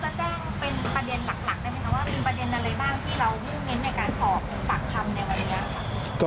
ที่เรารู้เม้นในการสอบถึงปากคำในวันนี้ครับ